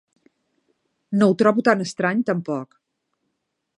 No ho trobo tan estrany, tampoc!